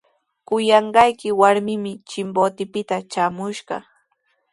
Kuyanqayki warmimi Chimbotepita traamushqa.